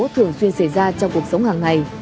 thường xuyên xảy ra trong cuộc sống hàng ngày